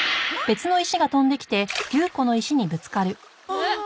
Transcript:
あっ。